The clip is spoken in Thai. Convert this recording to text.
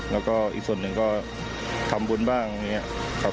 แล้วก็อีกส่วนหนึ่งก็ทำบุญบ้างอย่างนี้ครับ